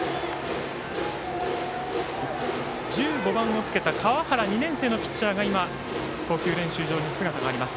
１５番をつけた川原２年生のピッチャーが今、投球練習場に姿があります。